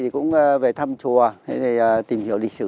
cũng về thăm chùa tìm hiểu lịch sử